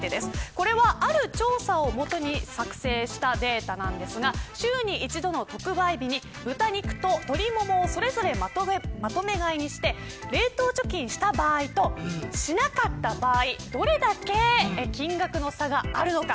これはある調査を元に作成したデータなんですが週に一度の特売日に、豚肉と鶏ももをそれぞれまとめ買いにして冷凍貯金した場合としなかった場合、どれだけ金額の差があるのか。